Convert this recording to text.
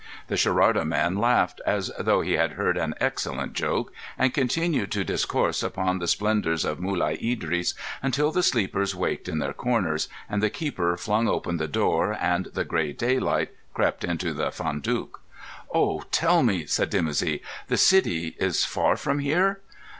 The Sherarda man laughed, as though he had heard an excellent joke, and continued to discourse upon the splendours of Mulai Idris until the sleepers waked in their corners, and the keeper flung open the door, and the grey daylight crept into the Fondak. "Oh, tell me!" said Dimoussi. "The city is far from here?"